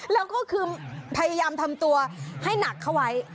แล้วก็คือพยายามทำตัวให้หนักเข้าไว้